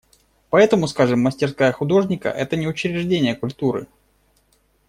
Поэтому, скажем, мастерская художника – это не учреждение культуры.